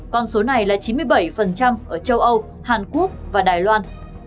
con số này là chín mươi bảy ở châu âu hàn quốc và đài loan